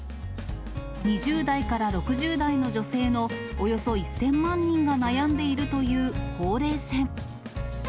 ２０代から６０代の女性のおよそ１０００万人が悩んでいるという、ほうれい線。